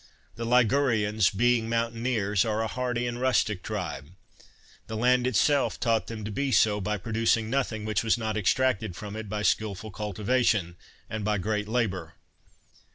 The Ligurians, being mountaineers, are a hardy and rustic tribe. The land itself taught them to be so by producing nothing which was not extracted from it by skil ful cultivation, and by great labor.